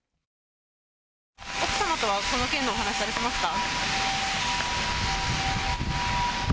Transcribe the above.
奥様とはこの件でお話されてますか？